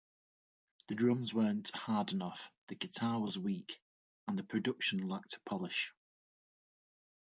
The drums weren't hard enough, the guitar was weak, and the production lacked polish.